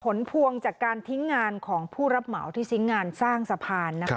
ผลพวงจากการทิ้งงานของผู้รับเหมาที่ทิ้งงานสร้างสะพานนะคะ